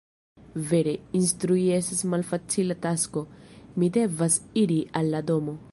Vere, instrui estas malfacila tasko. Mi devas iri al la domo.